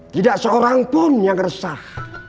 tidak seorang pun yang resah